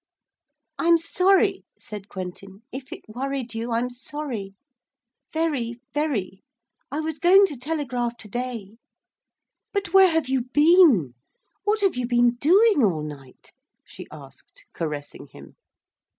'I'm sorry,' said Quentin, 'if it worried you, I'm sorry. Very, very. I was going to telegraph to day.' 'But where have you been? What have you been doing all night?' she asked, caressing him.